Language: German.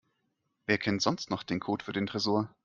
Wer kennt sonst noch den Code für den Tresor?